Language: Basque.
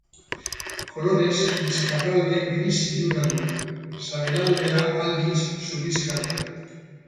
Kolorez, bizkarralde gris iluna du; sabelaldea, aldiz, zurixka da.